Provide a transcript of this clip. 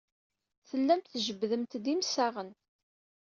Tellamt tjebbdemt-d imsaɣen.